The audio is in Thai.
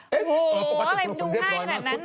โหเดรมดูง่ายขนาดนั้นน่ะ